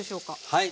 はい。